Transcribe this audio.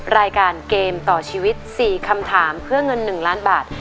รายการเกมต่อชีวิต๔คำถามเพื่อเงิน๑ล้านบาท